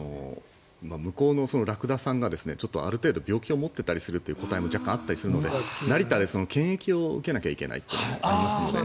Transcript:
向こうのラクダさんがある程度病気を持っているという個体も若干あったりしますので成田で検疫を受けないといけないので。